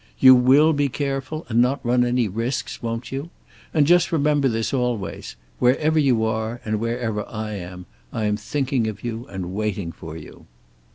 You will be careful and not run any risks, won't you? And just remember this always. Wherever you are and wherever I am, I am thinking of you and waiting for you."